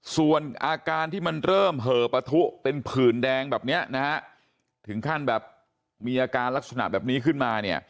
ส่วนอาการที่มันเริ่มเหอะปะทุเป็นผื่นแดงแบบนี้นะฮะถึงขั้นแบบมีอาการลักษณะแบบนี้ขึ้นมาเนี่ย